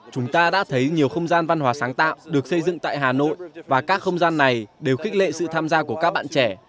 chúng ta đã thấy nhiều không gian văn hóa sáng tạo được xây dựng tại hà nội và các không gian này đều khích lệ sự tham gia của các bạn trẻ